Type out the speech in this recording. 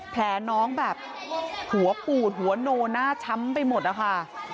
แผลน้องแบบหัวปูดหัวโนหน้าช้ำไปหมดนะคะ